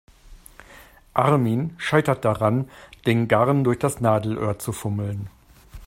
Armin scheitert daran, den Garn durch das Nadelöhr zu fummeln.